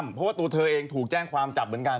เพราะว่าตัวเธอเองถูกแจ้งความจับเหมือนกัน